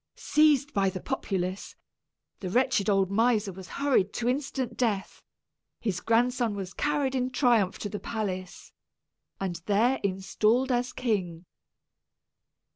Seized by the populace, the wretched old miser was hurried to instant death; his grandson was carried in triumph to the palace, and there installed as king.